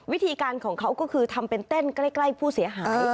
วิธีการของเขาก็คือทำเป็นเต้นใกล้ผู้เสียหาย